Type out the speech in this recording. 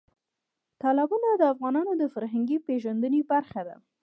تالابونه د افغانانو د فرهنګي پیژندنې برخه ده.